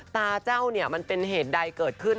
เจ้าเนี่ยมันเป็นเหตุใดเกิดขึ้น